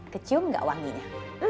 kecum gak wanginya